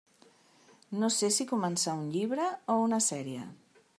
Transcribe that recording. No sé si començar un llibre o una sèrie.